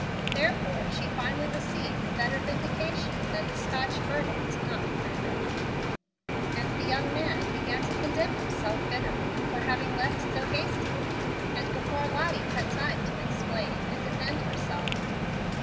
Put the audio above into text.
Therefore she finally received a better vindication than the Scotch verdict "not proven," and the young man began to condemn himself bitterly for having left so hastily, and before Lottie had time to explain and defend herself.